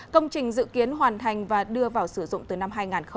công trình dự kiến hoàn thành và đưa vào sử dụng từ năm hai nghìn hai mươi một